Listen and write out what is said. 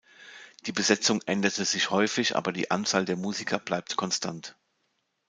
Die Besetzung änderte sich häufig, aber die Anzahl der Musiker bleibt konstant.